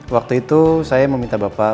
waktu itu saya meminta bapak